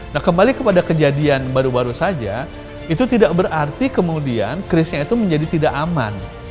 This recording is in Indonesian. nah kembali kepada kejadian baru baru saja itu tidak berarti kemudian krisnya itu menjadi tidak aman